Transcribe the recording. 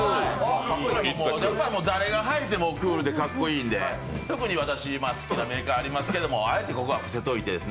誰が、はいてもクールでかっこいいんで特に私、好きなメーカーありますけど、あえてここは伏せておいて。